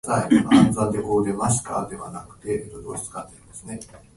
機械工と電電女の子いなさすぎだろ